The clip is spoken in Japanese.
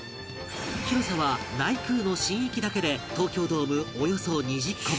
広さは内宮の神域だけで東京ドームおよそ２０個分